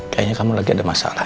kayaknya kamu lagi ada masalah